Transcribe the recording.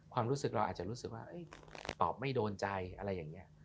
ความรู้สึกเราอาจจะรู้สึกว่าตอบไม่โดนใจอะไรอย่างนี้